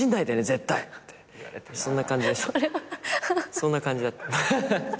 そんな感じだった。